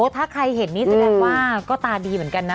ถ้าใครเห็นนี่แสดงว่าก็ตาดีเหมือนกันนะ